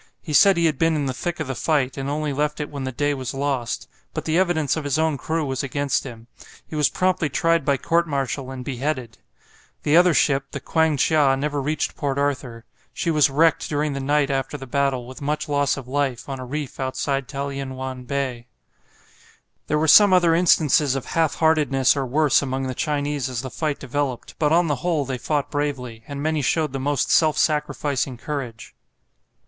He said he had been in the thick of the fight, and only left it when the day was lost. But the evidence of his own crew was against him. He was promptly tried by court martial and beheaded. The other ship, the "Kwang chia," never reached Port Arthur. She was wrecked during the night after the battle, with much loss of life, on a reef outside Talienwan Bay. There were some other instances of half heartedness or worse among the Chinese as the fight developed, but on the whole they fought bravely, and many showed the most self sacrificing courage.